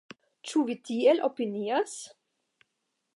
Ĉu vi tiel opinias?